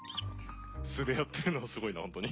素でやってるのがすごいなホントに。